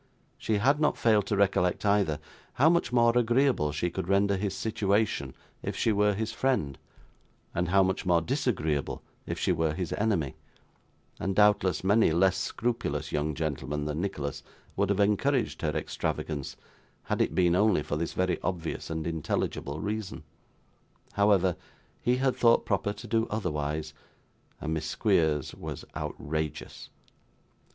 She had not failed to recollect, either, how much more agreeable she could render his situation if she were his friend, and how much more disagreeable if she were his enemy; and, doubtless, many less scrupulous young gentlemen than Nicholas would have encouraged her extravagance had it been only for this very obvious and intelligible reason. However, he had thought proper to do otherwise, and Miss Squeers was outrageous.